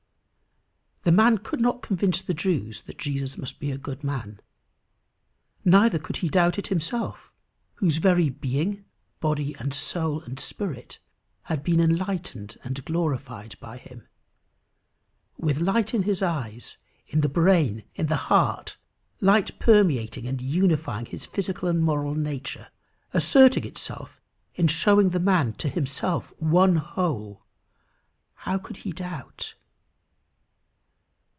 The man could not convince the Jews that Jesus must be a good man; neither could he doubt it himself, whose very being, body and soul and spirit, had been enlightened and glorified by him. With light in the eyes, in the brain, in the heart, light permeating and unifying his physical and moral nature, asserting itself in showing the man to himself one whole how could he doubt!